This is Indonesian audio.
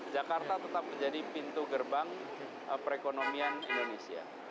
jakarta tetap menjadi pintu gerbang perekonomian indonesia